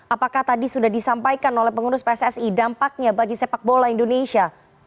apakah tadi sudah disampaikan oleh pengurus pssi dampaknya bagi sepak bola indonesia